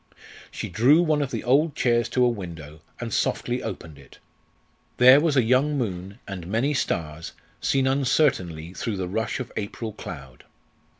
She drew one of the old chairs to a window, and softly opened it. There was a young moon, and many stars, seen uncertainly through the rush of April cloud.